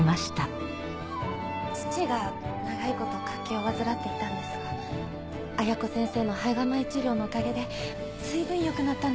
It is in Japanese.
父が長い事脚気を患っていたんですが綾子先生の胚芽米治療のおかげで随分良くなったんです。